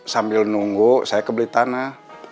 sambil nunggu saya kebeli tanah